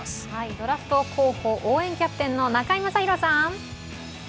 ドラフト候補応援キャプテンの中居正広さん？